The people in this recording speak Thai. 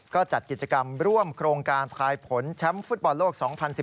ก็จัดกิจกรรมร่วมโครงการทายผลแชมป์ฟุตบอลโลก๒๐๑๘